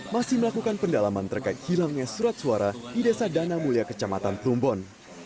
masih melakukan pendalaman terkait hilangnya surat suara di desa dana mulia kecamatan plumbon